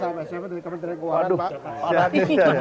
saya dari kementerian keuangan pak